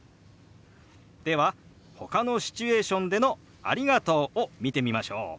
ではほかのシチュエーションでの「ありがとう」を見てみましょう。